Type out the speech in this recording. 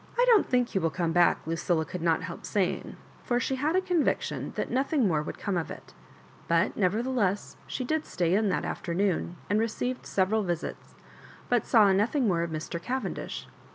don't think he will come back," Lucilla could not help saying; for she had a conviction that nothing more would come of it ; but never theless she did stay in that afternoon, and re ceived several visits, bur saw nothing more of Mr. Cavendish.